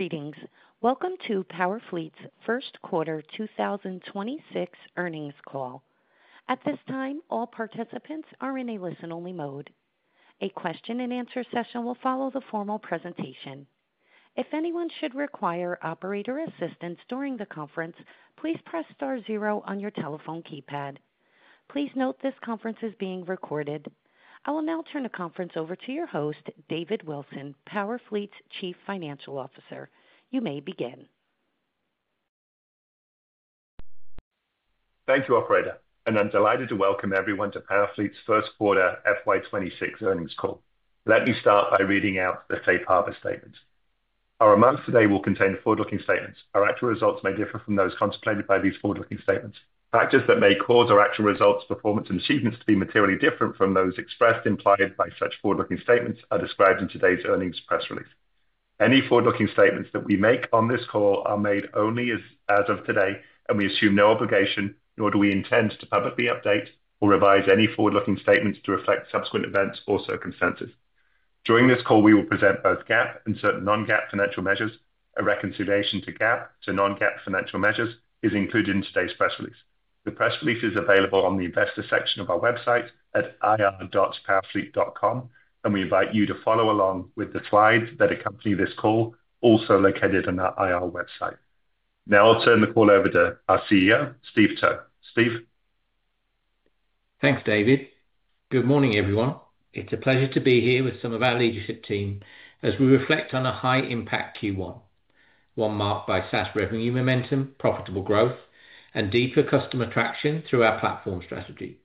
Greetings. Welcome to PowerFleet's First Quarter 2026 Earnings Call. At this time, all participants are in a listen-only mode. A question-and-answer session will follow the formal presentation. If anyone should require operator assistance during the conference, please press Star, zero on your telephone keypad. Please note this conference is being recorded. I will now turn the conference over to your host, David Wilson, PowerFleet's Chief Financial Officer. You may begin. Thank you, operator. I'm delighted to welcome everyone to PowerFleet's first quarter FY 2026 earnings call. Let me start by reading out the safe harbor statements. Our amounts today will contain forward-looking statements. Our actual results may differ from those contemplated by these forward-looking statements. Factors that may cause our actual results, performance, and achievements to be materially different from those expressed or implied by such forward-looking statements are described in today's earnings press release. Any forward-looking statements that we make on this call are made only as of today, and we assume no obligation, nor do we intend to publicly update or revise any forward-looking statements to reflect subsequent events or circumstances. During this call, we will present both GAAP and certain non-GAAP financial measures. A reconciliation to GAAP to non-GAAP financial measures is included in today's press release. The press release is available on the nvestor section of our website at ir.powerfleet.com, and we invite you to follow along with the slides that accompany this call, also located on our IR website. Now I'll turn the call over to our CEO, Steve Towe. Steve. Thanks, David. Good morning, everyone. It's a pleasure to be here with some of our leadership team as we reflect on a high-impact Q1, one marked by SaaS revenue momentum, profitable growth, and deeper customer traction through our platform strategy.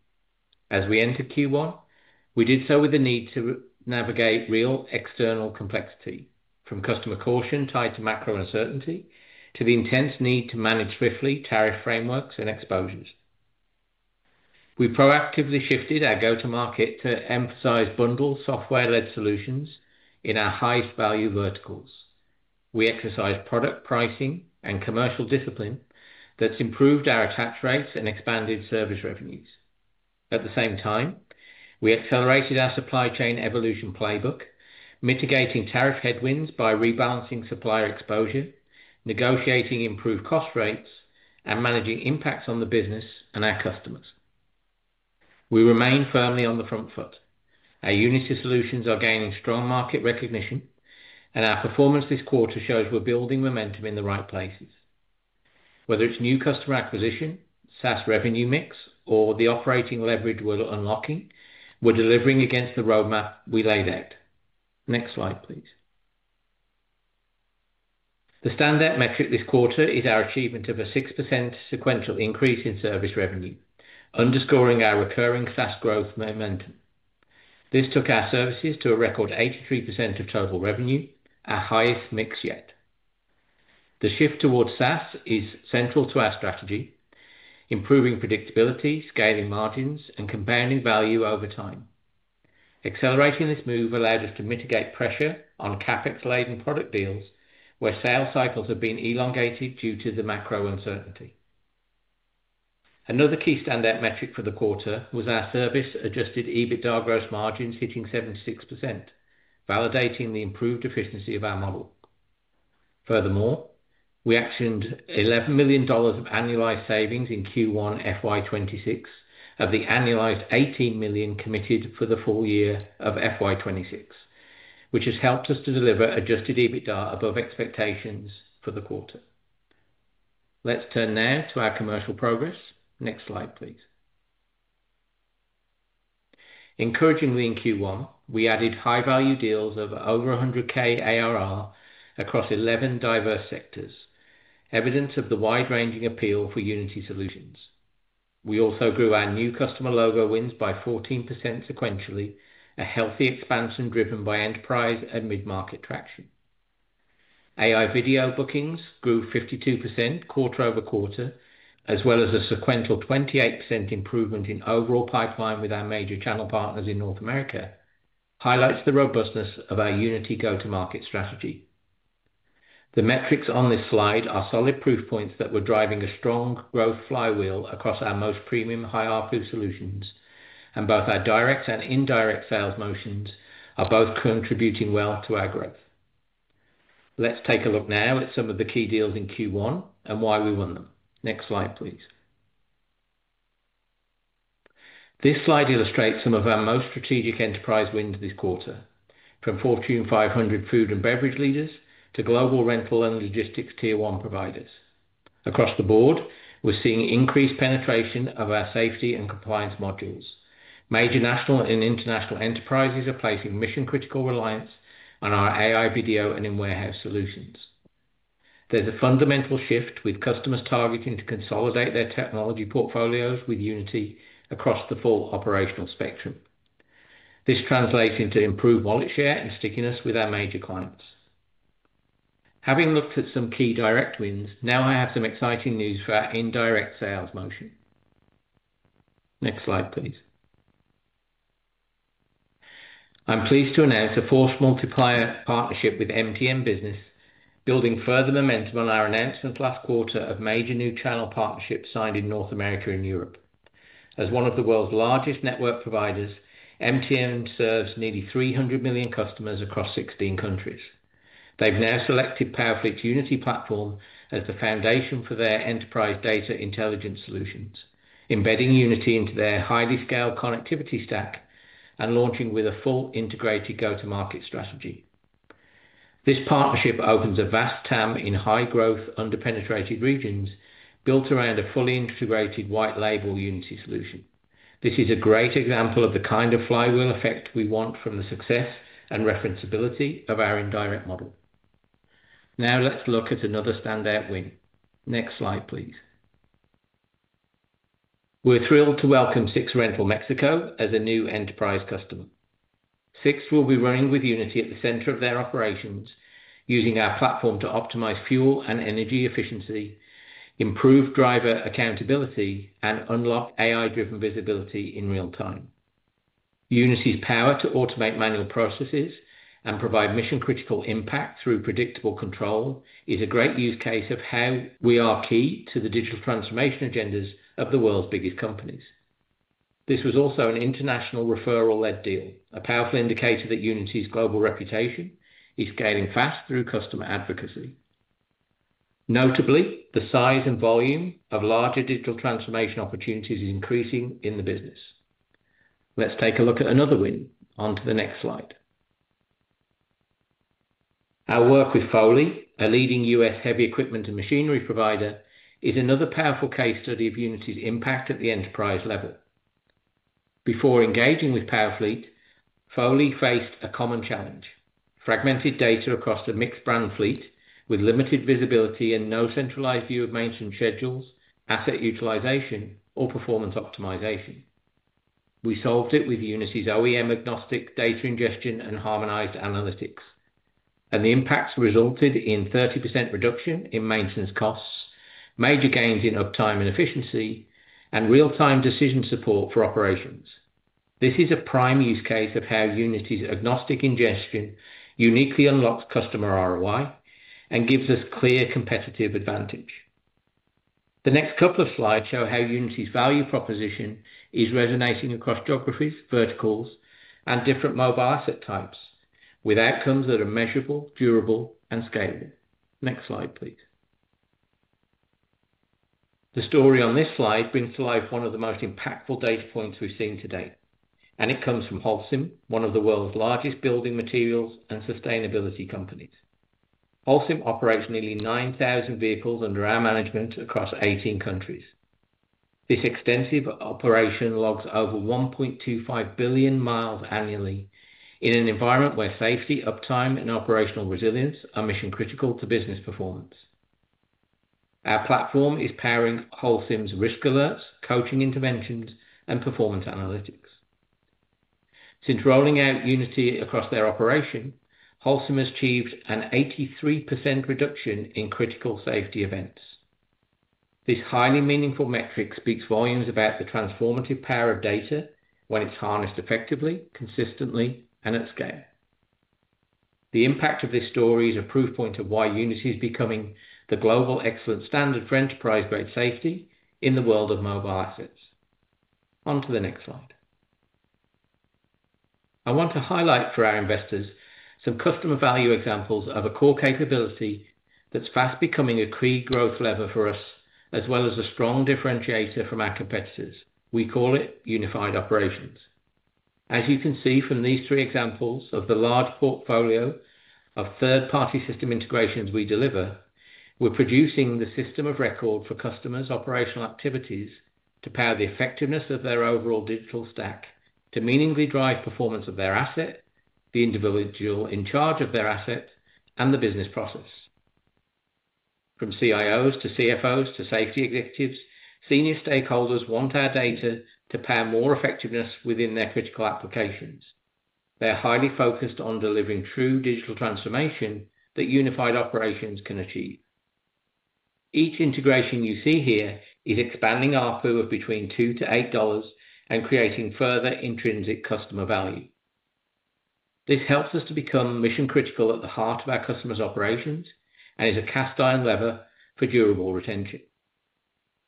As we entered Q1, we did so with the need to navigate real external complexity, from customer caution tied to macro uncertainty to the intense need to manage swiftly tariff frameworks and exposures. We proactively shifted our go-to-market to emphasize bundled software-led solutions in our highest value verticals. We exercised product pricing and commercial discipline that's improved our attach rates and expanded service revenues. At the same time, we accelerated our supply chain evolution playbook, mitigating tariff headwinds by rebalancing supplier exposure, negotiating improved cost rates, and managing impacts on the business and our customers. We remain firmly on the front foot. Our Unity solutions are gaining strong market recognition, and our performance this quarter shows we're building momentum in the right places. Whether it's new customer acquisition, SaaS revenue mix, or the operating leverage we're unlocking, we're delivering against the roadmap we laid out. Next slide, please. The standout metric this quarter is our achievement of a 6% sequential increase in service revenue, underscoring our recurring fast growth momentum. This took our services to a record 83% of total revenue, our highest mix yet. The shift towards SaaS is central to our strategy, improving predictability, scaling margins, and compounding value over time. Accelerating this move allowed us to mitigate pressure on CapEx-laden product deals, where sales cycles have been elongated due to the macro uncertainty. Another key standout metric for the quarter was our service-adjusted EBITDA gross margins hitting 76%, validating the improved efficiency of our model. Furthermore, we actioned $11 million of annualized savings in Q1 2026 of the annualized $18 million committed for the full year of 2026, which has helped us to deliver adjusted EBITDA above expectations for the quarter. Let's turn now to our commercial progress. Next slide, please. Encouragingly in Q1, we added high-value deals of over $100,000 ARR across 11 diverse sectors, evidence of the wide-ranging appeal for Unity solutions. We also grew our new customer logo wins by 14% sequentially, a healthy expansion driven by enterprise and mid-market traction. AI video bookings grew 52% quarter-over-quarter, as well as a sequential 28% improvement in overall pipeline with our major channel partners in North America, highlights the robustness of our Unity go-to-market strategy. The metrics on this slide are solid proof points that we're driving a strong growth flywheel across our most premium high ARPU solutions, and both our direct and indirect sales motions are both contributing well to our growth. Let's take a look now at some of the key deals in Q1 and why we won them. Next slide, please. This slide illustrates some of our most strategic enterprise wins this quarter, from Fortune 500 food and beverage leaders to global rental and logistics tier one providers. Across the board, we're seeing increased penetration of our safety and compliance solutions. Major national and international enterprises are placing mission-critical reliance on our AI video and in-warehouse solutions. There's a fundamental shift with customers targeting to consolidate their technology portfolios with Unity across the full operational spectrum. This translates into improved wallet share and stickiness with our major clients. Having looked at some key direct wins, now I have some exciting news for our indirect sales motion. Next slide, please. I'm pleased to announce a force multiplier partnership with MTN business, building further momentum on our announcement last quarter of major new channel partnerships signed in North America and Europe. As one of the world's largest network providers, MTN serves nearly 300 million customers across 16 countries. They've now selected PowerFleet's Unity platform as the foundation for their enterprise data intelligence solutions, embedding Unity into their highly scaled connectivity stack and launching with a fully integrated go-to-market strategy. This partnership opens a vast TAM in high growth, underpenetrated regions built around a fully integrated white label Unity solution. This is a great example of the kind of flywheel effect we want from the success and referenceability of our indirect model. Now let's look at another standout win. Next slide, please. We're thrilled to welcome SIXT Rental Mexico as a new enterprise customer. SIXT will be running with Unity at the center of their operations, using our platform to optimize fuel and energy efficiency, improve driver accountability, and unlock AI-driven visibility in real time. Unity's power to automate manual processes and provide mission-critical impact through predictable control is a great use case of how we are key to the digital transformation agendas of the world's biggest companies. This was also an international referral-led deal, a powerful indicator that Unity's global reputation is scaling fast through customer advocacy. Notably, the size and volume of larger digital transformation opportunities is increasing in the business. Let's take a look at another win. Onto the next slide. Our work with Foley, a leading U.S. heavy equipment and machinery provider, is another powerful case study of Unity's impact at the enterprise level. Before engaging with PowerFleet, Foley faced a common challenge: fragmented data across the mixed brand fleet with limited visibility and no centralized view of maintenance schedules, asset utilization, or performance optimization. We solved it with Unity's OEM-agnostic data ingestion and harmonized analytics, and the impacts resulted in 30% reduction in maintenance costs, major gains in uptime and efficiency, and real-time decision support for operations. This is a prime use case of how Unity's agnostic ingestion uniquely unlocks customer ROI and gives us clear competitive advantage. The next couple of slides show how Unity's value proposition is resonating across geographies, verticals, and different mobile asset types with outcomes that are measurable, durable, and scalable. Next slide, please. The story on this slide brings to life one of the most impactful data points we've seen to date, and it comes from Holcim, one of the world's largest building materials and sustainability companies. Holcim operates nearly 9,000 vehicles under our management across 18 countries. This extensive operation logs over 1.25 billion mi annually in an environment where safety, uptime, and operational resilience are mission-critical to business performance. Our platform is powering Holcim's risk alerts, coaching interventions, and performance analytics. Since rolling out Unity across their operation, Holcim has achieved an 83% reduction in critical safety events. This highly meaningful metric speaks volumes about the transformative power of data when it's harnessed effectively, consistently, and at scale. The impact of this story is a proof point of why Unity is becoming the global excellent standard for enterprise-grade safety in the world of mobile assets. Onto the next slide. I want to highlight for our investors some customer value examples of a core capability that's fast becoming a key growth lever for us, as well as a strong differentiator from our competitors. We call it unified operations. As you can see from these three examples of the large portfolio of third-party system integrations we deliver, we're producing the system of record for customers' operational activities to power the effectiveness of their overall digital stack to meaningfully drive performance of their asset, the individual in charge of their asset, and the business process. From CIOs to CFOs to safety executives, senior stakeholders want our data to power more effectiveness within their critical applications. They're highly focused on delivering true digital transformation that unified operations can achieve. Each integration you see here is expanding ARPU of between $2-$8 and creating further intrinsic customer value. This helps us to become mission-critical at the heart of our customers' operations and is a cast-iron lever for durable retention.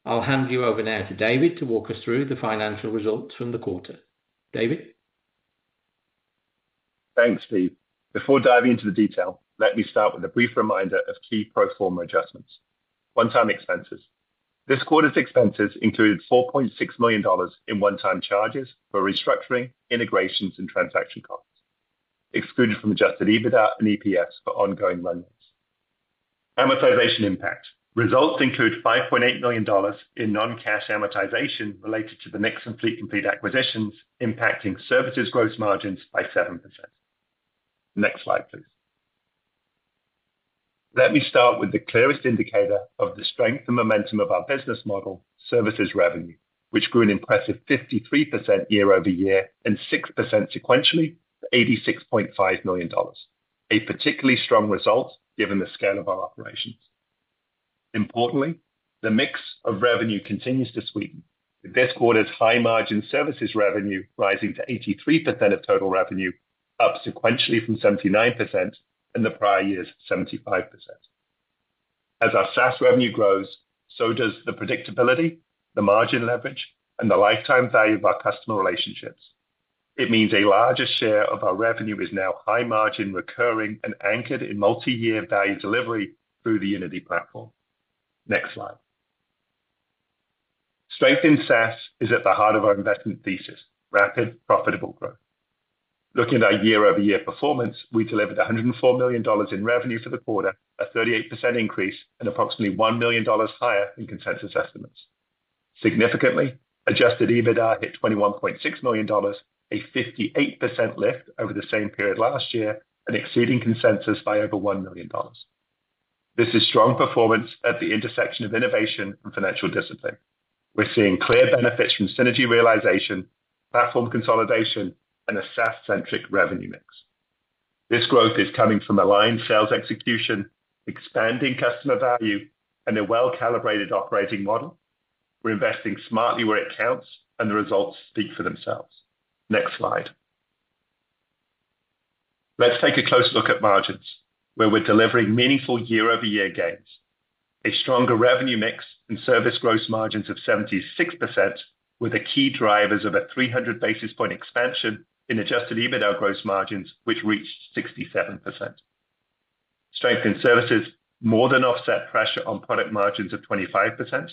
I'll hand you over now to David to walk us through the financial results from the quarter. David. Thanks, Steve. Before diving into the detail, let me start with a brief reminder of key pro forma adjustments. One-time expenses. This quarter's expenses include $4.6 million in one-time charges for restructuring, integrations, and transaction costs, excluded from adjusted EBITDA and EPS for ongoing runs. Amortization impact. Results include $5.8 million in non-cash amortization related to the mx and Fleet Complete acquisitions, impacting services gross margins by 7%. Next slide, please. Let me start with the clearest indicator of the strength and momentum of our business model, services revenue, which grew an impressive 53% year-over-year and 6% sequentially, $86.5 million. A particularly strong result given the scale of our operations. Importantly, the mix of revenue continues to sweeten with this quarter's high-margin services revenue rising to 83% of total revenue, up sequentially from 79% and the prior year's 75%. As our SaaS revenue grows, so does the predictability, the margin leverage, and the lifetime value of our customer relationships. It means a larger share of our revenue is now high-margin, recurring, and anchored in multi-year value delivery through the Unity platform. Next slide. Strength in SaaS is at the heart of our investment thesis, rapid, profitable growth. Looking at our year-over-year performance, we delivered $104 million in revenue for the quarter, a 38% increase, and approximately $1 million higher in consensus estimates. Significantly, adjusted EBITDA hit $21.6 million, a 58% lift over the same period last year, and exceeding consensus by over $1 million. This is strong performance at the intersection of innovation and financial discipline. We're seeing clear benefits from synergy realization, platform consolidation, and a SaaS-centric revenue mix. This growth is coming from aligned sales execution, expanding customer value, and a well-calibrated operating model. We're investing smartly where it counts, and the results speak for themselves. Next slide. Let's take a close look at margins, where we're delivering meaningful year-over-year gains. A stronger revenue mix and service gross margins of 76% were the key drivers of a 300 basis point expansion in adjusted EBITDA gross margins, which reached 67%. Strength in services more than offset pressure on product margins of 25%,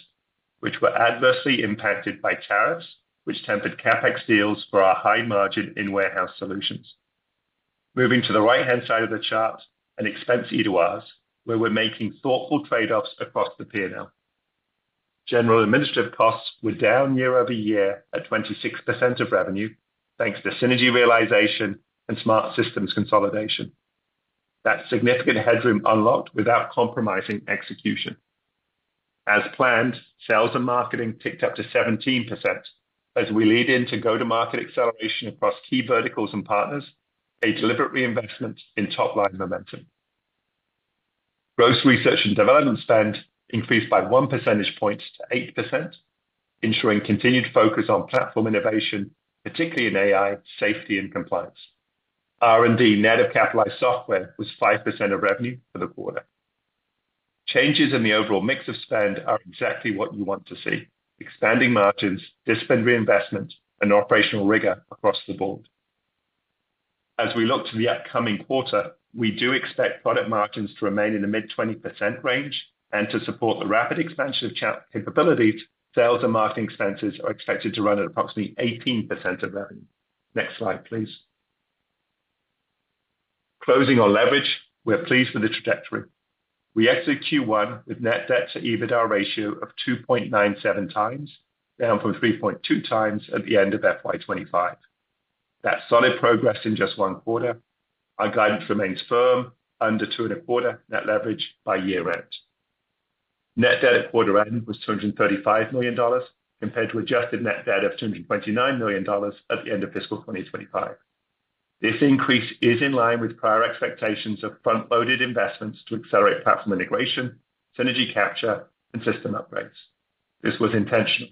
which were adversely impacted by tariffs, which tempered CapEx deals for our high-margin in warehouse solutions. Moving to the right-hand side of the chart, an expense eight of ours, where we're making thoughtful trade-offs across the P&L. General administrative costs were down year-over-year at 26% of revenue, thanks to synergy realization and smart systems consolidation. That's significant headroom unlocked without compromising execution. As planned, sales and marketing ticked up to 17% as we lead into go-to-market acceleration across key verticals and partners, a deliberate reinvestment in top-line momentum. Gross research and development spend increased by one percentage point to 8%, ensuring continued focus on platform innovation, particularly in AI, safety, and compliance. R&D net of capitalized software was 5% of revenue for the quarter. Changes in the overall mix of spend are exactly what you want to see: expanding margins, discipline reinvestment, and operational rigor across the board. As we look to the upcoming quarter, we do expect product margins to remain in the mid-20% range and to support the rapid expansion of chat capabilities. Sales and marketing expenses are expected to run at approximately 18% of revenue. Next slide, please. Closing on leverage, we're pleased with the trajectory. We exit Q1 with net debt to EBITDA ratio of 2.97x, down from 3.2x at the end of FY 2025. That's solid progress in just one quarter. Our guidance remains firm under 2. net leverage by year-end. Net debt at quarter end was $235 million, compared to adjusted net debt of $229 million at the end of fiscal 2025. This increase is in line with prior expectations of front-loaded investments to accelerate platform integration, synergy capture, and system upgrades. This was intentional.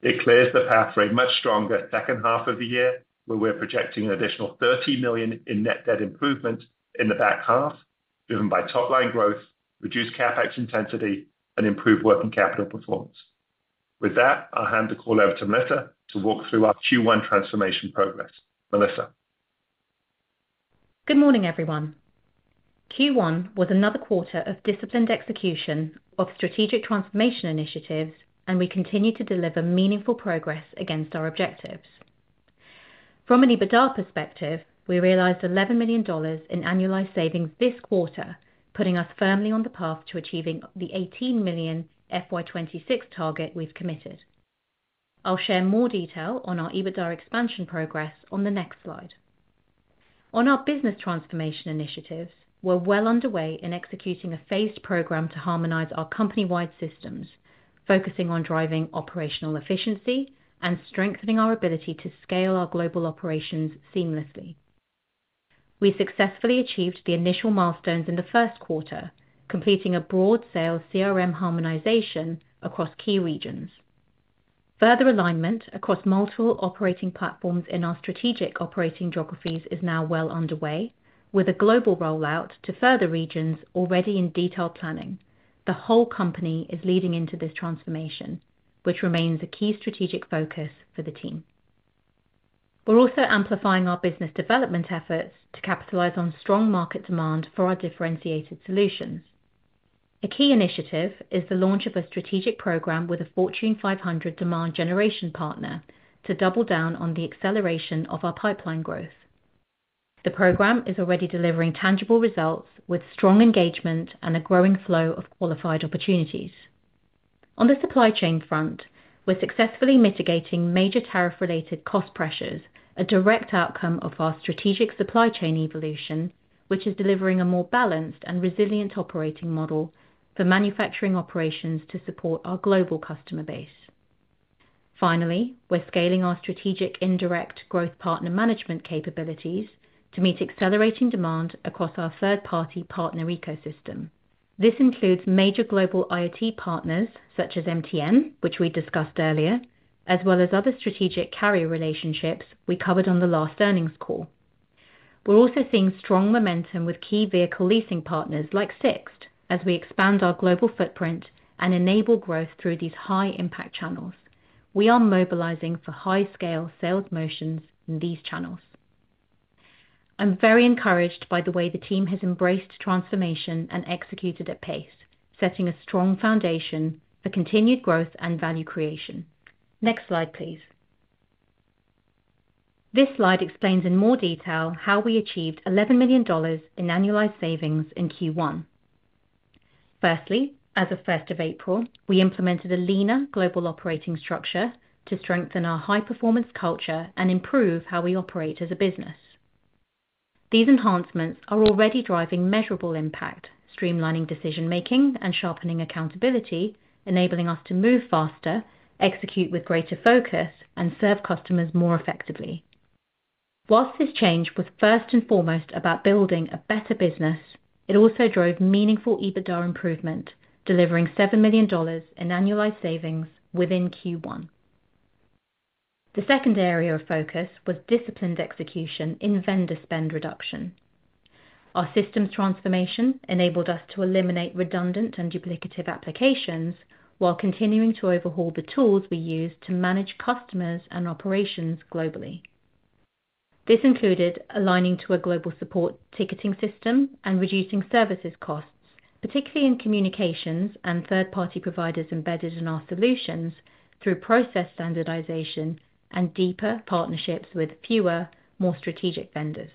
It clears the path for a much stronger second half of the year, where we're projecting an additional $30 million in net debt improvement in the back half, driven by top-line growth, reduced CapEx intensity, and improved working capital performance. With that, I'll hand the call over to Melissa to walk through our Q1 transformation progress. Melissa. Good morning, everyone. Q1 was another quarter of disciplined execution of strategic transformation initiatives, and we continue to deliver meaningful progress against our objectives. From an EBITDA perspective, we realized $11 million in annualized savings this quarter, putting us firmly on the path to achieving the $18 million FY 2026 target we've committed. I'll share more detail on our EBITDA expansion progress on the next slide. On our business transformation initiatives, we're well underway in executing a phased program to harmonize our company-wide systems, focusing on driving operational efficiency and strengthening our ability to scale our global operations seamlessly. We successfully achieved the initial milestones in the first quarter, completing a broad sales CRM harmonization across key regions. Further alignment across multiple operating platforms in our strategic operating geographies is now well underway, with a global rollout to further regions already in detailed planning. The whole company is leading into this transformation, which remains a key strategic focus for the team. We're also amplifying our business development efforts to capitalize on strong market demand for our differentiated solution. A key initiative is the launch of a strategic program with a Fortune 500 demand generation partner to double down on the acceleration of our pipeline growth. The program is already delivering tangible results with strong engagement and a growing flow of qualified opportunities. On the supply chain front, we're successfully mitigating major tariff-related cost pressures, a direct outcome of our strategic supply chain evolution, which is delivering a more balanced and resilient operating model for manufacturing operations to support our global customer base. Finally, we're scaling our strategic indirect growth partner management capabilities to meet accelerating demand across our third-party partner ecosystem. This includes major global IoT partners such as MTN which we discussed earlier, as well as other strategic carrier relationships we covered on the last earnings call. We're also seeing strong momentum with key vehicle leasing partners like SIXT as we expand our global footprint and enable growth through these high-impact channels. We are mobilizing for high-scale sales motions in these channels. I'm very encouraged by the way the team has embraced transformation and executed at pace, setting a strong foundation for continued growth and value creation. Next slide, please. This slide explains in more detail how we achieved $11 million in annualized savings in Q1. Firstly, as of 1st of April, we implemented a leaner global operating structure to strengthen our high-performance culture and improve how we operate as a business. These enhancements are already driving measurable impact, streamlining decision-making, and sharpening accountability, enabling us to move faster, execute with greater focus, and serve customers more effectively. Whilst this change was first and foremost about building a better business, it also drove meaningful EBITDA improvement, delivering $7 million in annualized savings within Q1. The second area of focus was disciplined execution in vendor spend reduction. Our systems transformation enabled us to eliminate redundant and duplicative applications while continuing to overhaul the tools we use to manage customers and operations globally. This included aligning to a global support ticketing system and reducing services costs, particularly in communications and third-party providers embedded in our solutions through process standardization and deeper partnerships with fewer, more strategic vendors.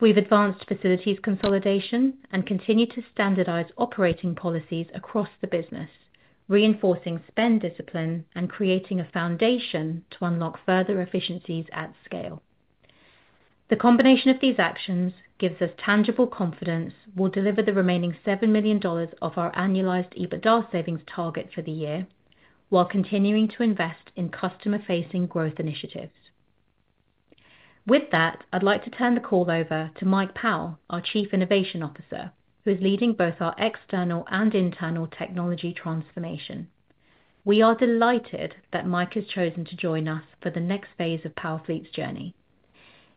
We've advanced facilities consolidation and continued to standardize operating policies across the business, reinforcing spend discipline and creating a foundation to unlock further efficiencies at scale. The combination of these actions gives us tangible confidence we'll deliver the remaining $7 million of our annualized EBITDA savings target for the year while continuing to invest in customer-facing growth initiatives. With that, I'd like to turn the call over to Mike Powell, our Chief Innovation Officer, who is leading both our external and internal technology transformation. We are delighted that Mike has chosen to join us for the next phase of PowerFleet's journey.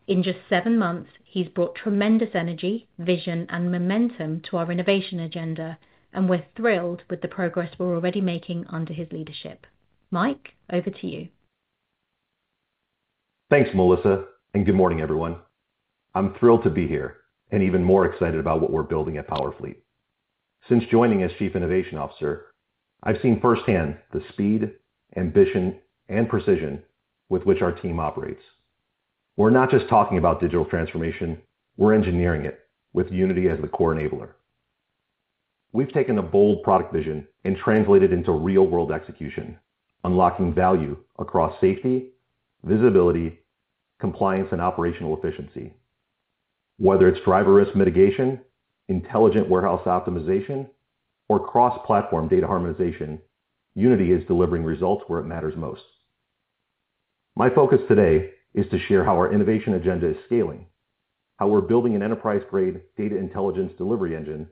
In just seven months, he's brought tremendous energy, vision, and momentum to our innovation agenda, and we're thrilled with the progress we're already making under his leadership. Mike, over to you. Thanks, Melissa, and good morning, everyone. I'm thrilled to be here and even more excited about what we're building at PowerFleet. Since joining as Chief Innovation Officer, I've seen firsthand the speed, ambition, and precision with which our team operates. We're not just talking about digital transformation; we're engineering it with Unity as the core enabler. We've taken a bold product vision and translated it into real-world execution, unlocking value across safety, visibility, compliance, and operational efficiency. Whether it's driver risk mitigation, intelligent warehouse optimization, or cross-platform data harmonization, Unity is delivering results where it matters most. My focus today is to share how our innovation agenda is scaling, how we're building an enterprise-grade data intelligence delivery engine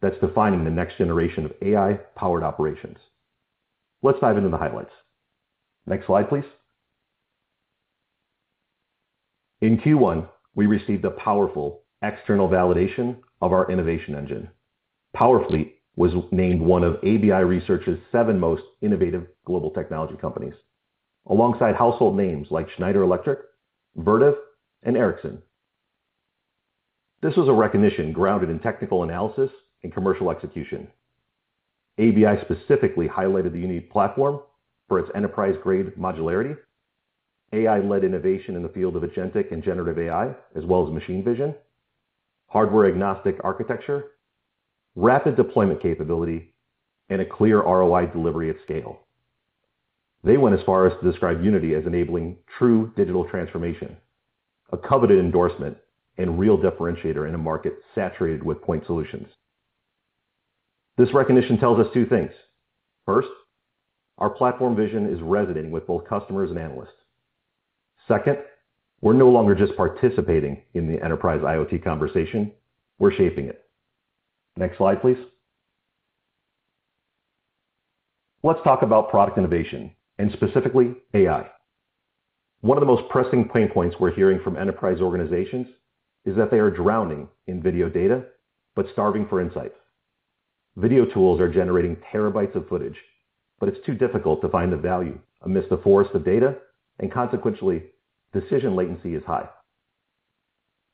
that's defining the next generation of AI-powered operations. Let's dive into the highlights. Next slide, please. In Q1, we received a powerful external validation of our innovation engine. PowerFleet was named one of ABI Research's seven most innovative global technology companies, alongside household names like Schneider Electric, Vertiv, and Ericsson. This was a recognition grounded in technical analysis and commercial execution. ABI specifically highlighted the unique platform for its enterprise-grade modularity, AI-led innovation in the field of agentic and generative AI, as well as machine vision, hardware-agnostic architecture, rapid deployment capability, and a clear ROI delivery at scale. They went as far as to describe Unity as enabling true digital transformation, a coveted endorsement and real differentiator in a market saturated with point solutions. This recognition tells us two things. First, our platform vision is resonating with both customers and analysts. Second, we're no longer just participating in the enterprise IoT conversation; we're shaping it. Next slide, please. Let's talk about product innovation and specifically AI. One of the most pressing pain points we're hearing from enterprise organizations is that they are drowning in video data but starving for insight. Video tools are generating terabytes of footage, but it's too difficult to find the value amidst the forest of data, and consequentially, decision latency is high.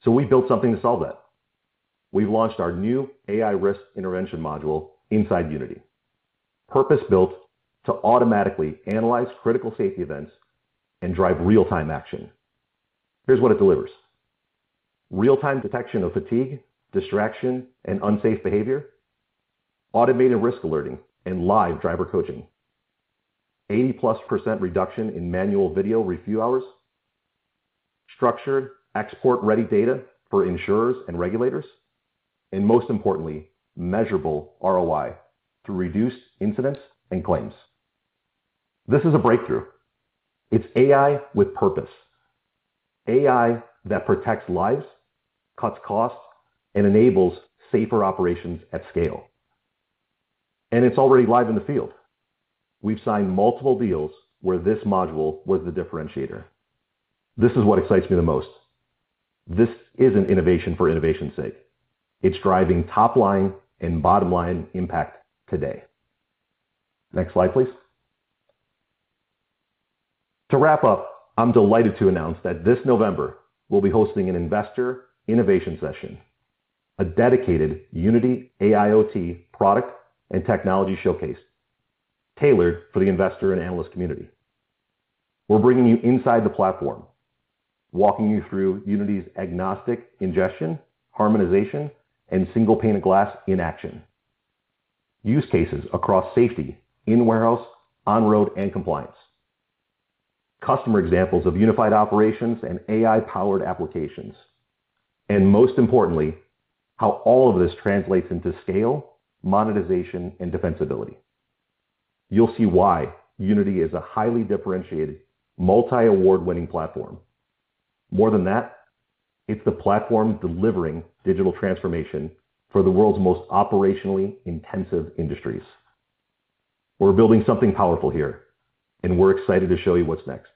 We built something to solve that. We've launched our new AI risk intervention module inside Unity, purpose-built to automatically analyze critical safety events and drive real-time action. Here's what it delivers: real-time detection of fatigue, distraction, and unsafe behavior, automated risk alerting, and live driver coaching, 80+% reduction in manual video review hours, structured export-ready data for insurers and regulators, and most importantly, measurable ROI through reduced incidents and claims. This is a breakthrough. It's AI with purpose, AI that protects lives, cuts costs, and enables safer operations at scale. It's already live in the field. We've signed multiple deals where this module was the differentiator. This is what excites me the most. This isn't innovation for innovation's sake. It's driving top-line and bottom-line impact today. Next slide, please. To wrap up, I'm delighted to announce that this November, we'll be hosting an investor innovation session, a dedicated Unity AIoT product and technology showcase tailored for the investor and analyst community. We're bringing you inside the platform, walking you through Unity's agnostic ingestion, harmonization, and single pane of glass in action, use cases across safety in warehouse, on road, and compliance, customer examples of unified operations and AI-powered applications, and most importantly, how all of this translates into scale, monetization, and defensibility. You'll see why Unity is a highly differentiated, multi-award-winning platform. More than that, it's the platform delivering digital transformation for the world's most operationally intensive industries. We're building something powerful here, and we're excited to show you what's next.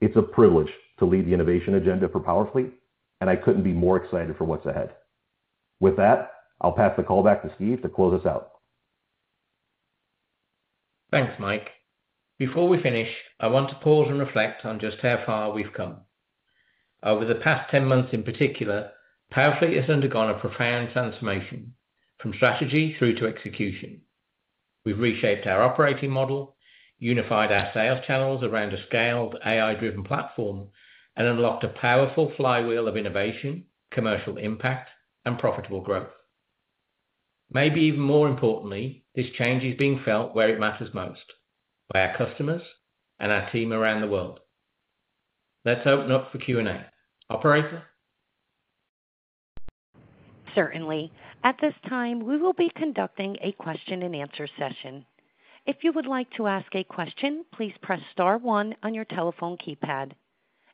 It's a privilege to lead the innovation agenda for PowerFleet, and I couldn't be more excited for what's ahead. With that, I'll pass the call back to Steve to close us out. Thanks, Mike. Before we finish, I want to pause and reflect on just how far we've come. Over the past 10 months in particular, PowerFleet has undergone a profound transformation from strategy through to execution. We've reshaped our operating model, unified our sales channels around a scaled AI-driven platform, and unlocked a powerful flywheel of innovation, commercial impact, and profitable growth. Maybe even more importantly, this change is being felt where it matters most, by our customers and our team around the world. Let's open up for Q&A. Operator? Certainly. At this time, we will be conducting a question and answer session. If you would like to ask a question, please press Star, one on your telephone keypad.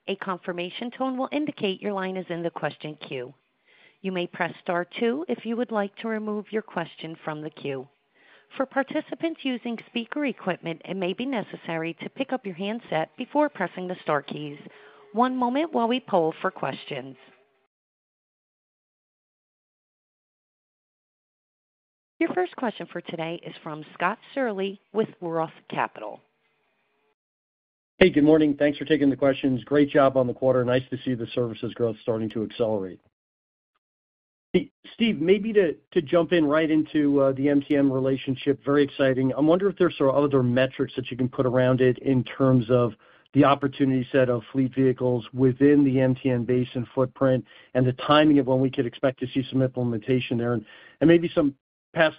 A confirmation tone will indicate your line is in the question queue. You may press Star, two if you would like to remove your question from the queue. For participants using speaker equipment, it may be necessary to pick up your handset before pressing the star keys. One moment while we poll for questions. Your first question for today is from Scott Searle with ROTH Capital. Hey, good morning. Thanks for taking the questions. Great job on the quarter. Nice to see the services growth starting to accelerate. Steve, maybe to jump right into the MTN relationship, very exciting. I wonder if there are other metrics that you can put around it in terms of the opportunity set of fleet vehicles within the MTN basin footprint and the timing of when we could expect to see some implementation there, and maybe some past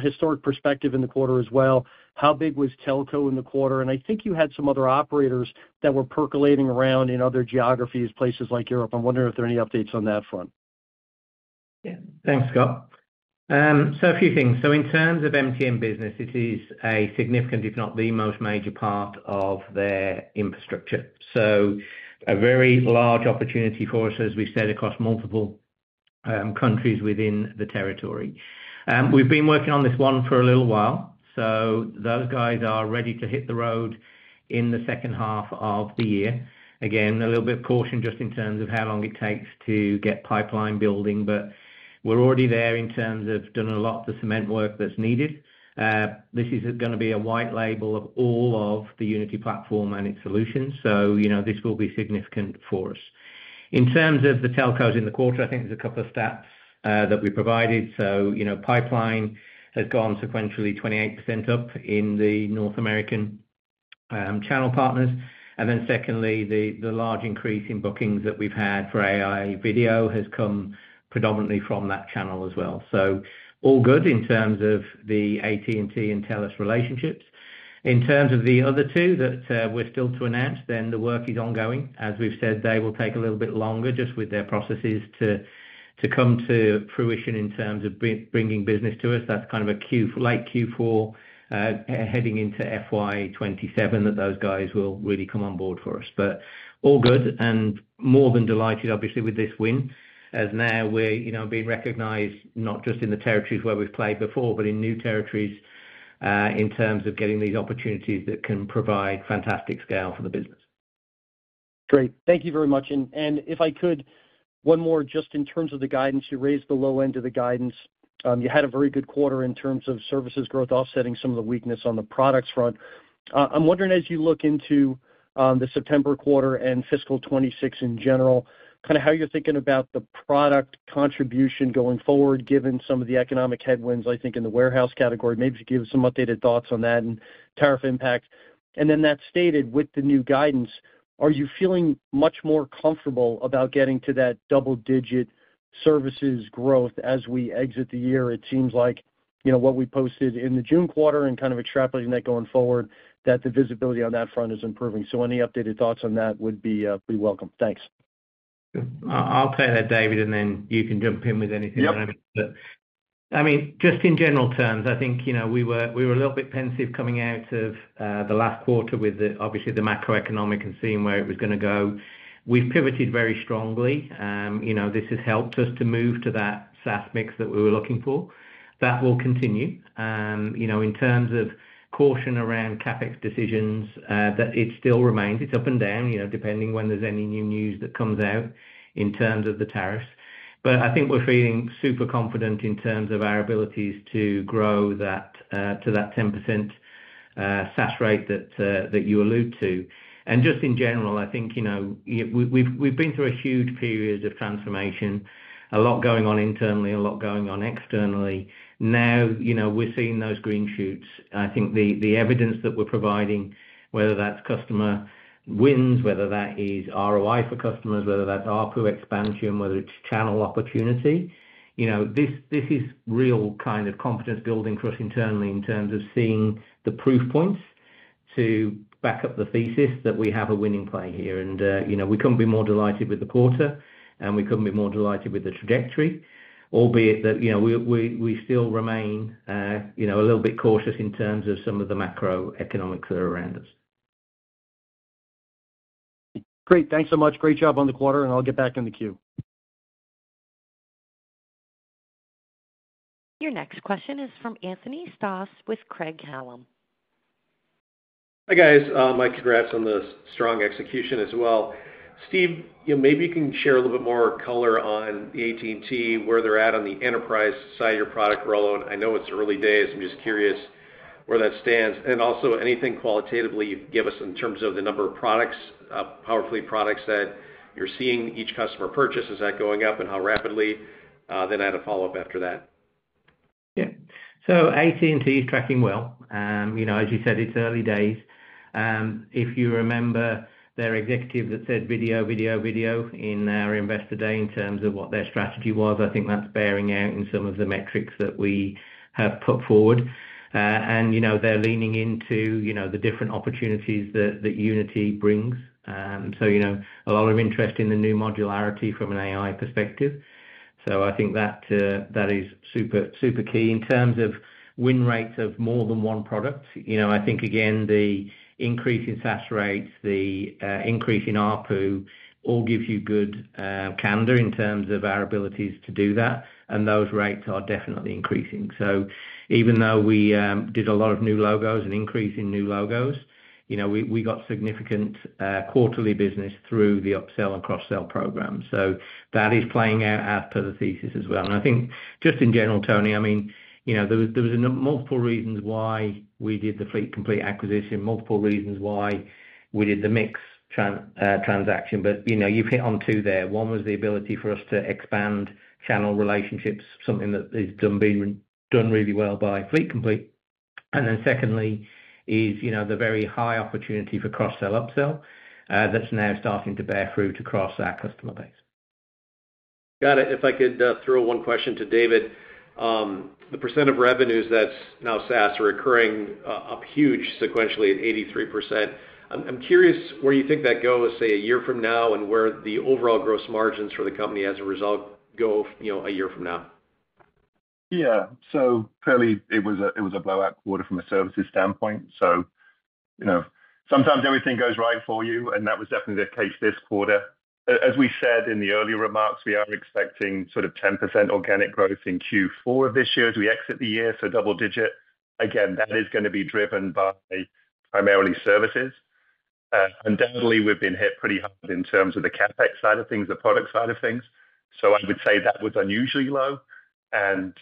historic perspective in the quarter as well. How big was telco in the quarter? I think you had some other operators that were percolating around in other geographies, places like Europe. I'm wondering if there are any updates on that front. Yeah, thanks, Scott. A few things. In terms of MTN business, it is a significant, if not the most major part of their infrastructure. A very large opportunity for us, as we said, across multiple countries within the territory. We've been working on this one for a little while. Those guys are ready to hit the road in the second half of the year. A little bit of caution just in terms of how long it takes to get pipeline building, but we're already there in terms of doing a lot of the cement work that's needed. This is going to be a white label of all of the Unity platform and its solutions. This will be significant for us. In terms of the telcos in the quarter, I think there's a couple of stats that we provided. Pipeline has gone sequentially 28% up in the North American channel partners. The large increase in bookings that we've had for AI video has come predominantly from that channel as well. All good in terms of the AT&T and TELUS relationships. In terms of the other two that we're still to announce, the work is ongoing. As we've said, they will take a little bit longer just with their processes to come to fruition in terms of bringing business to us. That's kind of a late Q4 heading into FY 2027 that those guys will really come on board for us. All good and more than delighted, obviously, with this win, as now we're being recognized not just in the territories where we've played before, but in new territories in terms of getting these opportunities that can provide fantastic scale for the business. Great. Thank you very much. If I could, one more just in terms of the guidance. You raised the low end of the guidance. You had a very good quarter in terms of services growth offsetting some of the weakness on the products front. I'm wondering, as you look into the September quarter and fiscal 2026 in general, kind of how you're thinking about the product contribution going forward, given some of the economic headwinds, I think, in the warehouse category. Maybe you give us some updated thoughts on that and tariff impact. With the new guidance, are you feeling much more comfortable about getting to that double-digit services growth as we exit the year? It seems like what we posted in the June quarter and kind of extrapolating that going forward, the visibility on that front is improving. Any updated thoughts on that would be welcome. Thanks. I'll play that, David, and then you can jump in with anything that I've said. In general terms, I think we were a little bit pensive coming out of the last quarter with obviously the macroeconomic and seeing where it was going to go. We've pivoted very strongly. This has helped us to move to that SaaS mix that we were looking for. That will continue. In terms of caution around CapEx decisions, it still remains. It's up and down depending when there's any new news that comes out in terms of the tariffs. I think we're feeling super confident in terms of our abilities to grow that to that 10% SaaS rate that you allude to. In general, I think we've been through a huge period of transformation, a lot going on internally, a lot going on externally. Now we're seeing those green shoots. I think the evidence that we're providing, whether that's customer wins, whether that is ROI for customers, whether that's ARPU expansion, whether it's channel opportunity, this is real kind of confidence building for us internally in terms of seeing the proof points to back up the thesis that we have a winning play here. We couldn't be more delighted with the quarter, and we couldn't be more delighted with the trajectory, albeit that we still remain a little bit cautious in terms of some of the macroeconomics that are around us. Great, thanks so much. Great job on the quarter, and I'll get back in the queue. Your next question is from Anthony Stoss with Craig-Hallum. Hi guys. My congrats on the strong execution as well. Steve, you know, maybe you can share a little bit more color on the AT&T, where they're at on the enterprise side of your product rollout. I know it's early days. I'm just curious where that stands. Also, anything qualitatively you can give us in terms of the number of products, PowerFleet products that you're seeing each customer purchase, is that going up and how rapidly? I have a follow-up after that. Yeah. AT&T is tracking well. As you said, it's early days. If you remember their executive that said video, video, video in our investor day in terms of what their strategy was, I think that's bearing out in some of the metrics that we have put forward. They're leaning into the different opportunities that Unity brings. There is a lot of interest in the new modularity from an AI perspective. I think that is super, super key in terms of win rates of more than one product. Again, the increase in SaaS rates, the increase in ARPU all gives you good candor in terms of our abilities to do that. Those rates are definitely increasing. Even though we did a lot of new logos and increase in new logos, we got significant quarterly business through the upsell and cross-sell program. That is playing out as per the thesis as well. I think just in general, Tony, there were multiple reasons why we did the Fleet Complete acquisition, multiple reasons why we did the MiX transaction. You've hit on two there. One was the ability for us to expand channel relationships, something that has been done really well by Fleet Complete. Secondly is the very high opportunity for cross-sell upsell that's now starting to bear fruit across our customer base. Got it. If I could throw one question to David, the percent of revenues that's now SaaS are occurring up huge sequentially at 83%. I'm curious where you think that goes, say a year from now, and where the overall gross margins for the company as a result go a year from now. Yeah, so clearly it was a blowout quarter from a services standpoint. Sometimes everything goes right for you, and that was definitely the case this quarter. As we said in the earlier remarks, we are expecting sort of 10% organic growth in Q4 of this year as we exit the year, so double digit. Again, that is going to be driven by primarily services. Undoubtedly, we've been hit pretty hard in terms of the CapEx side of things, the product side of things. I would say that was unusually low, and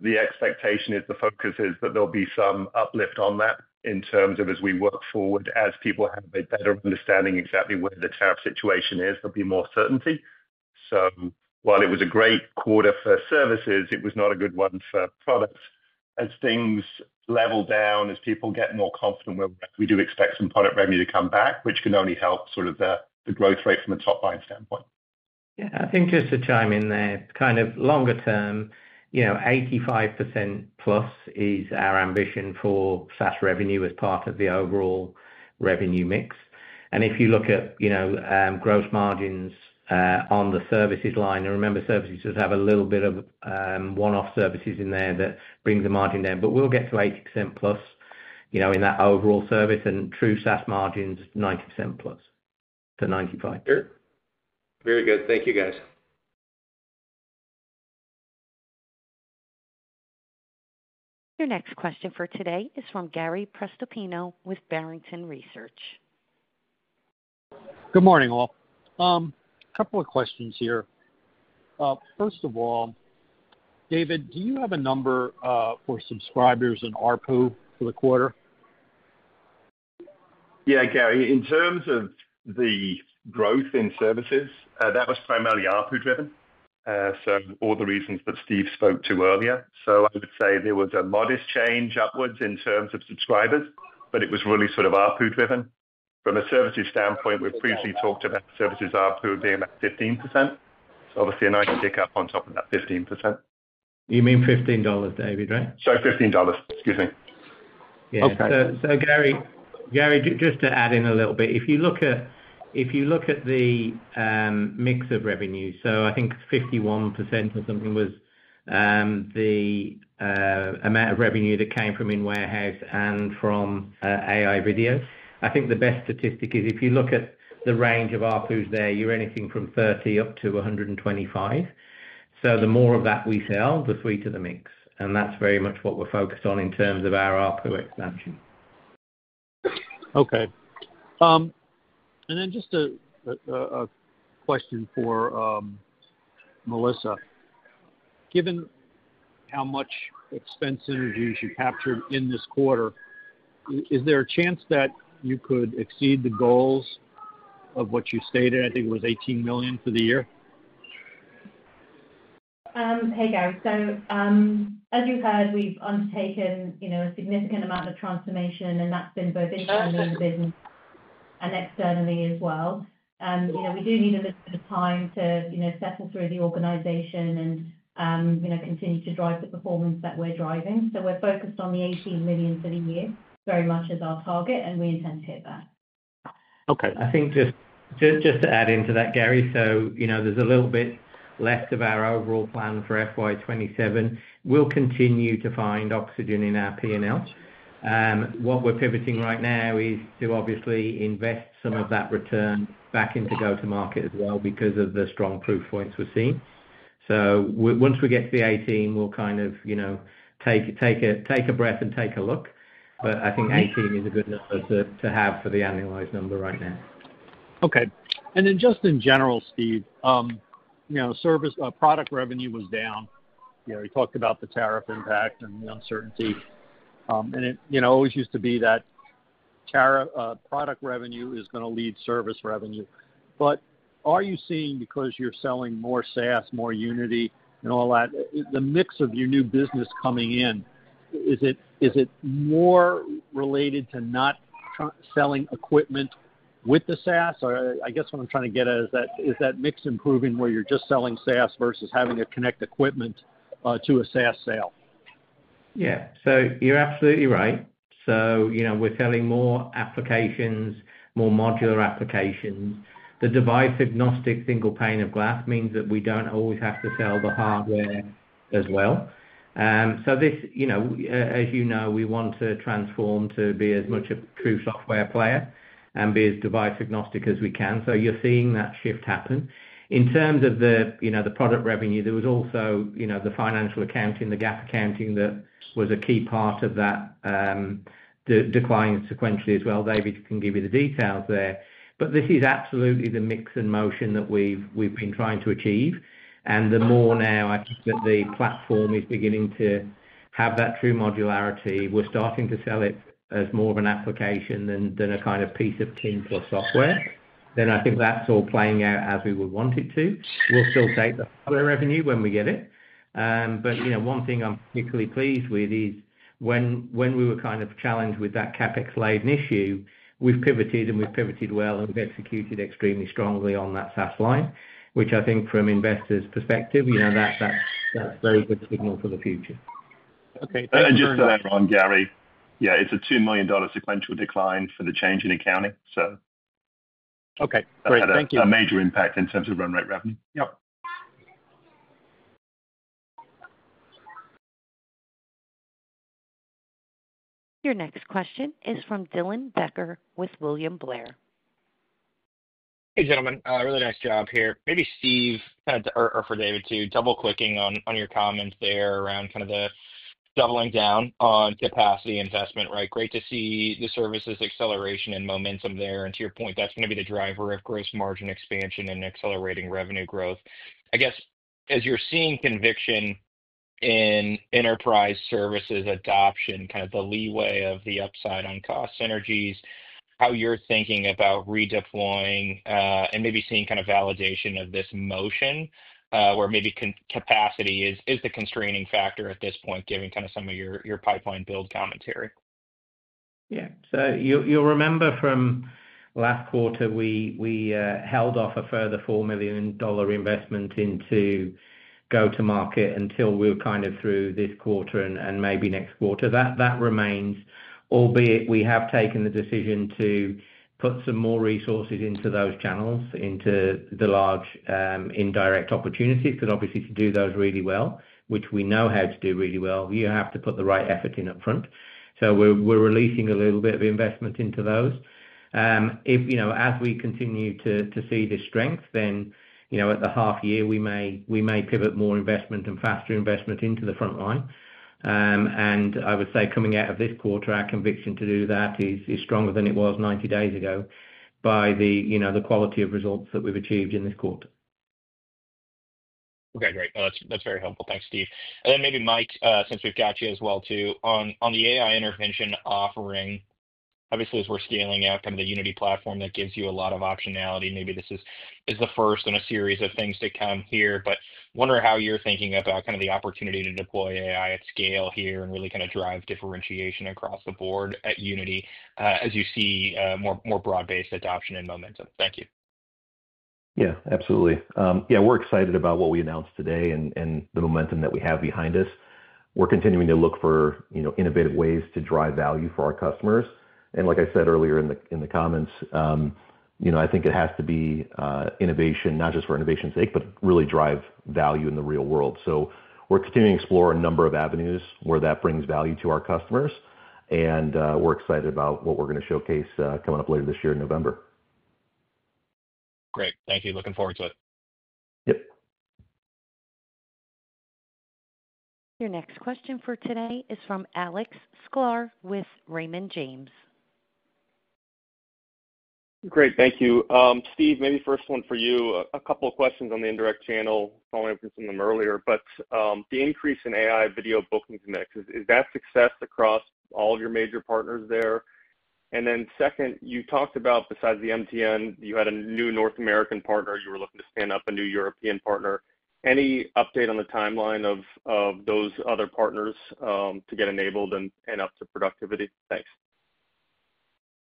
the expectation is the focus is that there'll be some uplift on that as we work forward. As people have a better understanding exactly where the tariff situation is, there'll be more certainty. While it was a great quarter for services, it was not a good one for products. As things level down, as people get more confident, we do expect some product revenue to come back, which can only help the growth rate from a top-line standpoint. Yeah, I think just to chime in there, kind of longer term, you know, 85%+ is our ambition for SaaS revenue as part of the overall revenue mix. If you look at, you know, gross margins on the services line, I remember services just have a little bit of one-off services in there that bring the margin there, but we'll get to 80%+ in that overall service. True SaaS margins, 90%+ to 95%. Very good. Thank you, guys. Your next question for today is from Gary Prestopino with Barrington Research. Good morning all. A couple of questions here. First of all, David, do you have a number for subscribers and ARPU for the quarter? Yeah, Gary, in terms of the growth in services, that was primarily ARPU driven. Some of the reasons that Steve spoke to earlier. I would say there was a modest change upwards in terms of subscribers, but it was really sort of ARPU driven. From a services standpoint, we've previously talked about services ARPU being at 15%. Obviously a nice tick up on top of that 15%. You mean $15, David, right? Sorry, $15. Excuse me. Yeah, Gary, just to add in a little bit, if you look at the mix of revenue, I think 51% or something was the amount of revenue that came from in warehouse and from AI video. I think the best statistic is if you look at the range of ARPUs there, you're anything from $30 up to $125. The more of that we sell, the sweeter the mix. That's very much what we're focused on in terms of our ARPU expansion. Okay. Just a question for Melissa. Given how much expense synergy you captured in this quarter, is there a chance that you could exceed the goals of what you stated? I think it was $18 million for the year. Hey guys, as you've heard, we've undertaken a significant amount of transformation, and that's been both internally in the business and externally as well. We do need a little bit of time to settle through the organization and continue to drive the performance that we're driving. We're focused on the $18 million for the year, very much as our target, and we intend to hit that. Okay, I think just to add into that, Gary, there's a little bit less of our overall plan for FY 2027. We'll continue to find oxygen in our P&L. What we're pivoting right now is to obviously invest some of that return back into go-to-market as well because of the strong proof points we're seeing. Once we get to the $18 million, we'll kind of take a breath and take a look. I think $18 million is a good number to have for the annualized number right now. Okay. Steve, you know, product revenue was down. You talked about the tariff impact and the uncertainty. It always used to be that product revenue is going to lead service revenue. Are you seeing, because you're selling more SaaS, more Unity, and all that, the mix of your new business coming in? Is it more related to not selling equipment with the SaaS? I guess what I'm trying to get at is that mix improving where you're just selling SaaS versus having to connect equipment to a SaaS sale? Yeah, you're absolutely right. We're selling more applications, more modular applications. The device-agnostic single pane of glass means that we don't always have to sell the hardware as well. As you know, we want to transform to be as much a true software player and be as device-agnostic as we can. You're seeing that shift happen. In terms of the product revenue, there was also the financial accounting, the GAAP accounting that was a key part of that decline sequentially as well. David can give you the details there. This is absolutely the mix in motion that we've been trying to achieve. The more now I think that the platform is beginning to have that true modularity, we're starting to sell it as more of an application than a kind of piece of tin for software. I think that's all playing out as we would want it to. We'll still take the hardware revenue when we get it. One thing I'm particularly pleased with is when we were kind of challenged with that CapEx laden issue, we've pivoted and we've pivoted well and we've executed extremely strongly on that SaaS line, which I think from investors' perspective, that's a very good signal for the future. Okay, and just to add on, Gary, yeah, it's a $2 million sequential decline for the change in accounting. Okay, great. Thank you. A major impact in terms of run rate revenue. Yep. Your next question is from Dylan Becker with William Blair. Hey gentlemen, really nice job here. Maybe Steve or for David too, double clicking on your comments there around kind of the doubling down on capacity investment, right? Great to see the services acceleration and momentum there. To your point, that's going to be the driver of gross margin expansion and accelerating revenue growth. I guess as you're seeing conviction in enterprise services adoption, kind of the leeway of the upside on cost synergies, how you're thinking about redeploying and maybe seeing kind of validation of this motion where maybe capacity is the constraining factor at this point, given kind of some of your pipeline build commentary. Yeah, so you'll remember from last quarter, we held off a further $4 million investment into go-to-market until we're kind of through this quarter and maybe next quarter. That remains, albeit we have taken the decision to put some more resources into those channels, into the large indirect opportunities, because obviously to do those really well, which we know how to do really well, you have to put the right effort in upfront. We're releasing a little bit of investment into those. As we continue to see this strength, at the half year, we may pivot more investment and faster investment into the front line. I would say coming out of this quarter, our conviction to do that is stronger than it was 90 days ago by the quality of results that we've achieved in this quarter. Okay, great. No, that's very helpful. Thanks, Steve. Maybe Mike, since we've got you as well, on the AI intervention offering, obviously as we're scaling out the Unity platform that gives you a lot of optionality. Maybe this is the first in a series of things to come here, but I wonder how you're thinking about the opportunity to deploy AI at scale here and really drive differentiation across the board at Unity as you see more broad-based adoption and momentum. Thank you. Yeah, absolutely. We're excited about what we announced today and the momentum that we have behind us. We're continuing to look for innovative ways to drive value for our customers. Like I said earlier in the comments, I think it has to be innovation, not just for innovation's sake, but really drive value in the real world. We're continuing to explore a number of avenues where that brings value to our customers. We're excited about what we're going to showcase coming up later this year in November. Great. Thank you. Looking forward to it. Yep. Your next question for today is from Alex Sklar with Raymond James. Great, thank you. Steve, maybe first one for you. A couple of questions on the indirect channel. I'll answer some of them earlier, but the increase in AI video bookings mix, is that success across all of your major partners there? Then, you talked about besides the MTN, you had a new North American partner. You were looking to stand up a new European partner. Any update on the timeline of those other partners to get enabled and up to productivity? Thanks.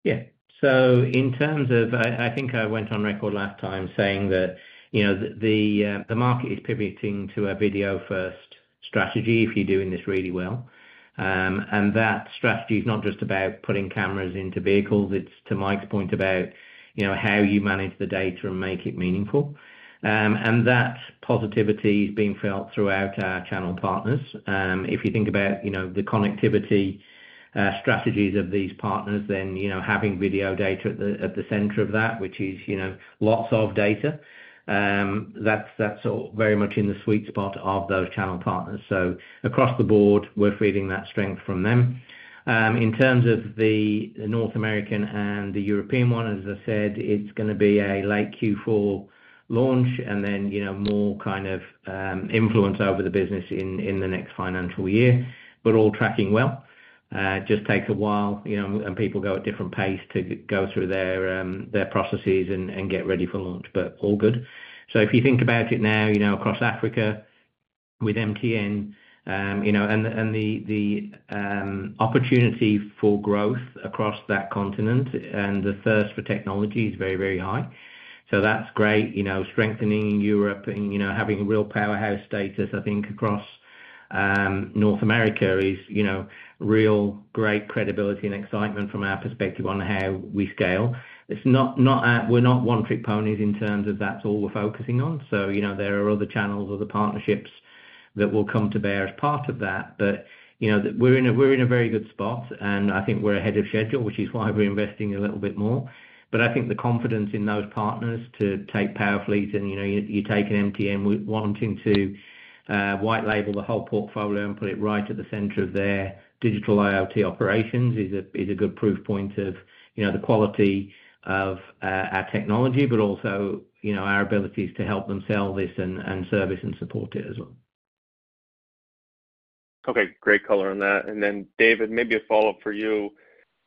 Yeah, so in terms of, I think I went on record last time saying that the market is pivoting to a video-first strategy if you're doing this really well. That strategy is not just about putting cameras into vehicles. It's, to Mike's point, about how you manage the data and make it meaningful. That positivity is being felt throughout our channel partners. If you think about the connectivity strategies of these partners, then having video data at the center of that, which is lots of data, that's very much in the sweet spot of those channel partners. Across the board, we're feeling that strength from them. In terms of the North American and the European one, as I said, it's going to be a late Q4 launch and then more kind of influence over the business in the next financial year, but all tracking well. It just takes a while, and people go at different pace to go through their processes and get ready for launch, but all good. If you think about it now, across Africa with MTN and the opportunity for growth across that continent, the thirst for technology is very, very high. That's great, strengthening in Europe and having a real powerhouse status. I think across North America is real great credibility and excitement from our perspective on how we scale. We're not one-trick ponies in terms of that's all we're focusing on. There are other channels or the partnerships that will come to bear as part of that. We're in a very good spot and I think we're ahead of schedule, which is why we're investing a little bit more. I think the confidence in those partners to take PowerFleet and you take an MTN wanting to white label the whole portfolio and put it right at the center of their digital IoT operations is a good proof point of the quality of our technology, but also our abilities to help them sell this and service and support it as well. Okay, great color on that. David, maybe a follow-up for you.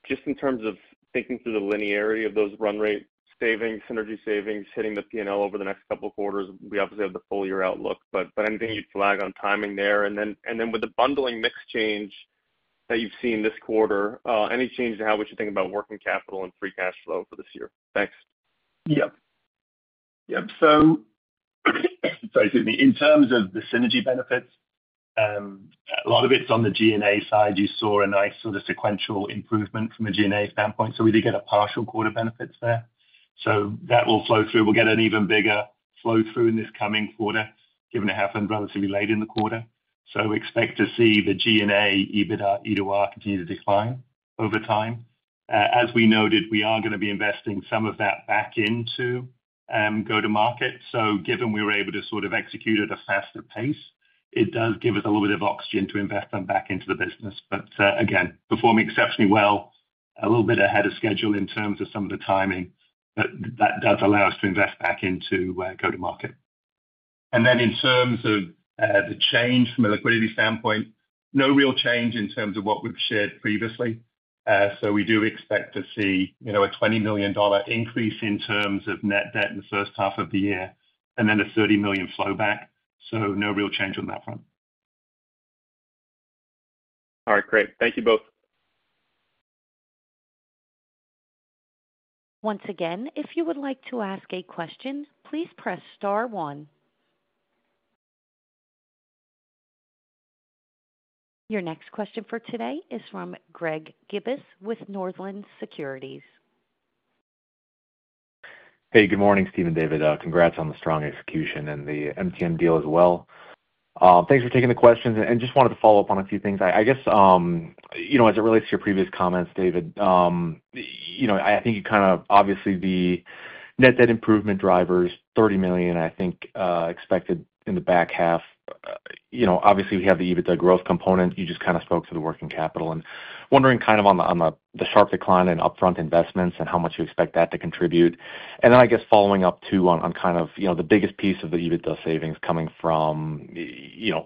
Just in terms of thinking through the linearity of those run rate savings, synergy savings, hitting the P&L over the next couple of quarters, we obviously have the full year outlook. Is there anything you'd flag on timing there? With the bundling mix change that you've seen this quarter, any change to how we should think about working capital and free cash flow for this year? Thanks. Yep. Yep. In terms of the synergy benefits, a lot of it's on the G&A side. You saw a nice sort of sequential improvement from a G&A standpoint. We did get a partial quarter benefits there. That will flow through. We'll get an even bigger flow through in this coming quarter, given it happened relatively late in the quarter. We expect to see the G&A EBITDA continue to decline over time. As we noted, we are going to be investing some of that back into go-to-market. Given we were able to sort of execute at a faster pace, it does give us a little bit of oxygen to invest back into the business. Again, performing exceptionally well, a little bit ahead of schedule in terms of some of the timing, but that does allow us to invest back into go-to-market. In terms of the change from a liquidity standpoint, no real change in terms of what we've shared previously. We do expect to see a $20 million increase in terms of net debt in the first half of the year and then a $30 million flowback. No real change on that front. All right, great. Thank you both. Once again, if you would like to ask a question, please press Star, one. Your next question for today is from Greg Gibas with Northland Securities. Hey, good morning, Steve and David. Congrats on the strong execution and the MTN deal as well. Thanks for taking the questions and just wanted to follow up on a few things. I guess, as it relates to your previous comments, David, I think you kind of obviously the net debt improvement drivers, $30 million, I think expected in the back half. Obviously we have the EBITDA growth component. You just spoke to the working capital and wondering on the sharp decline in upfront investments and how much you expect that to contribute. I guess following up too on the biggest piece of the EBITDA savings coming from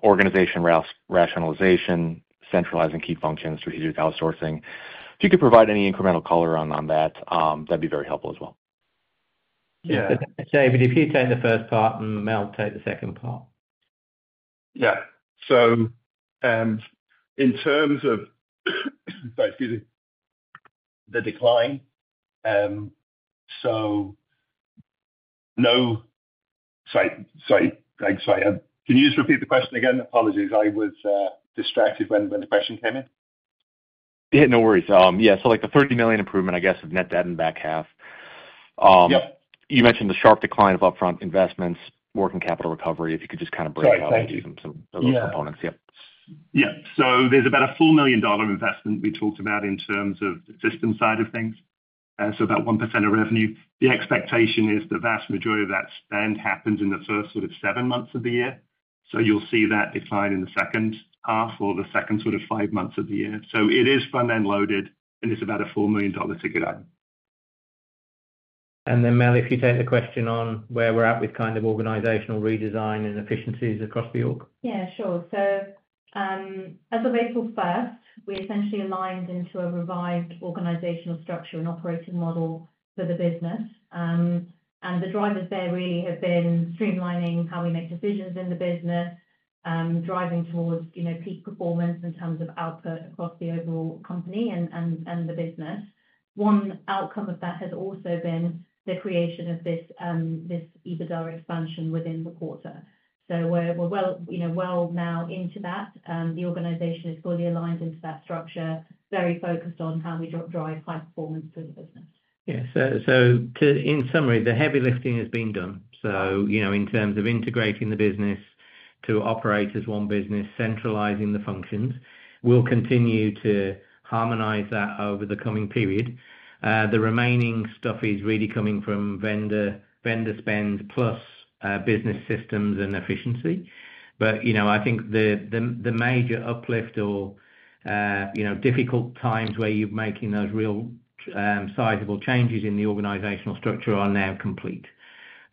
organization rationalization, centralizing key functions, strategic outsourcing. If you could provide any incremental color on that, that'd be very helpful as well. Yeah, David, if you take the first part and I'll take the second part. In terms of the decline, can you just repeat the question again? Apologies, I was distracted when the question came in. Yeah, no worries. Yeah, like a $30 million improvement, I guess, of net debt in the back half. Yep. You mentioned the sharp decline of upfront investments, working capital recovery, if you could just break it out into some of those components. Yeah, there's about a $4 million investment we talked about in terms of the system side of things, so about 1% of revenue. The expectation is the vast majority of that spend happens in the first sort of seven months of the year. You'll see that decline in the second half or the second sort of five months of the year. It is front-end loaded and it's about a $4 million ticket item. Mel, if you take the question on where we're at with kind of organizational redesign and efficiencies across the org. Yeah, sure. As of April 1st, we essentially aligned into a revised organizational structure and operating model for the business. The drivers there really have been streamlining how we make decisions in the business, driving towards peak performance in terms of output across the overall company and the business. One outcome of that has also been the creation of this EBITDA expansion within the quarter. We are now well into that. The organization is fully aligned into that structure, very focused on how we drive high performance for the business. Yeah, so in summary, the heavy lifting has been done. In terms of integrating the business to operate as one business, centralizing the functions, we'll continue to harmonize that over the coming period. The remaining stuff is really coming from vendor spend plus business systems and efficiency. I think the major uplift or difficult times where you're making those real sizable changes in the organizational structure are now complete.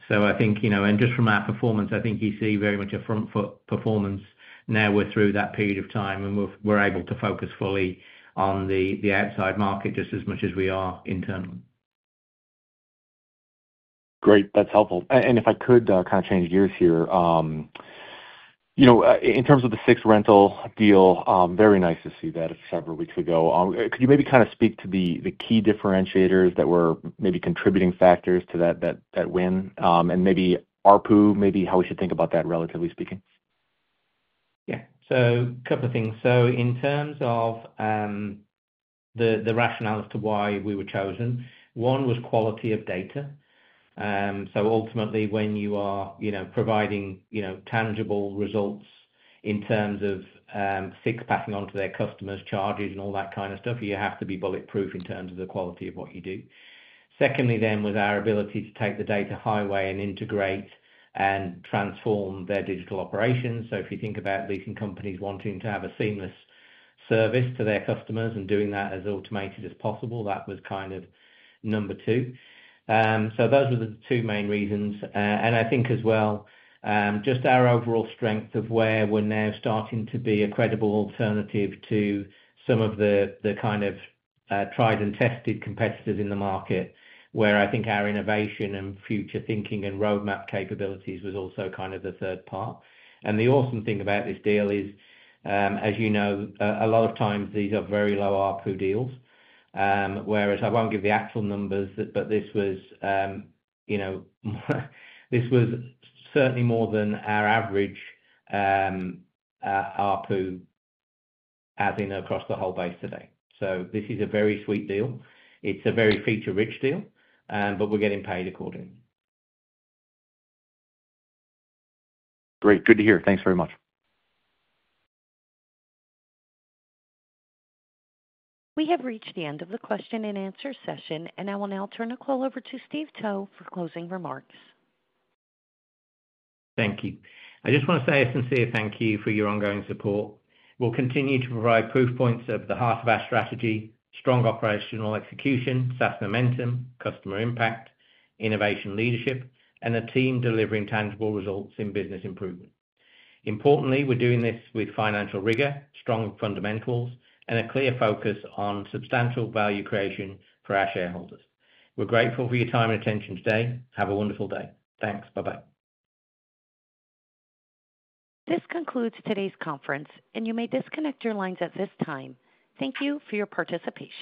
I think, just from our performance, you see very much a front-foot performance. Now we're through that period of time and we're able to focus fully on the outside market just as much as we are internally. Great, that's helpful. If I could kind of change gears here, you know, in terms of the SIXT Rental Mexico deal, very nice to see that several weeks ago. Could you maybe kind of speak to the key differentiators that were maybe contributing factors to that win and maybe ARPU, maybe how we should think about that relatively speaking? Yeah, so a couple of things. In terms of the rationale as to why we were chosen, one was quality of data. Ultimately, when you are providing tangible results in terms of SIXT passing on to their customers, charges, and all that kind of stuff, you have to be bulletproof in terms of the quality of what you do. Secondly, our ability to take the data highway and integrate and transform their digital operations. If you think about leasing companies wanting to have a seamless service to their customers and doing that as automated as possible, that was kind of number two. Those were the two main reasons. I think as well, just our overall strength of where we're now starting to be a credible alternative to some of the kind of tried and tested competitors in the market, where I think our innovation and future thinking and roadmap capabilities was also kind of the third part. The awesome thing about this deal is, as you know, a lot of times these are very low ARPU deals, whereas I won't give the actual numbers, but this was certainly more than our average ARPU as in across the whole base today. This is a very sweet deal. It's a very feature-rich deal, but we're getting paid accordingly. Great, good to hear. Thanks very much. We have reached the end of the question and answer session, and I will now turn the call over to Steve Towe for closing remarks. Thank you. I just want to say a sincere thank you for your ongoing support. We'll continue to provide proof points over the heart of our strategy, strong operational execution, SaaS momentum, customer impact, innovation leadership, and the team delivering tangible results in business improvement. Importantly, we're doing this with financial rigor, strong fundamentals, and a clear focus on substantial value creation for our shareholders. We're grateful for your time and attention today. Have a wonderful day. Thanks. Bye-bye. This concludes today's conference, and you may disconnect your lines at this time. Thank you for your participation.